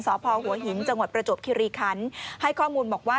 สพหัวหินจังหวัดประจวบคิริคันให้ข้อมูลบอกว่า